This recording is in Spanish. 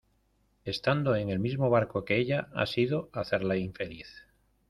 estando en el mismo barco que ella ha sido hacerla infeliz.